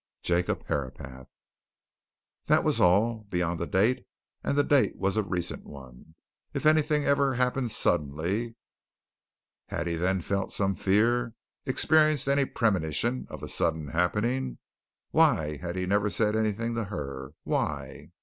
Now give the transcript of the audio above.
"JACOB HERAPATH." That was all beyond a date, and the date was a recent one. "If anything ever happens suddenly" had he then felt some fear, experienced any premonition, of a sudden happening? Why had he never said anything to her, why?